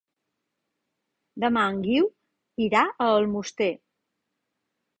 Demà en Guiu irà a Almoster.